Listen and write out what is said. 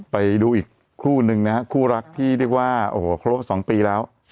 ไปดูอีกคู่นึงนะครับคู่รักที่ได้ว่าโอ้โหโคลกสองปีแล้ว